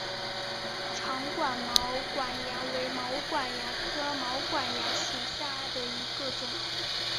长管毛管蚜为毛管蚜科毛管蚜属下的一个种。